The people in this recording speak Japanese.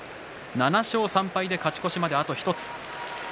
７勝３敗で勝ち越しまであと１つ。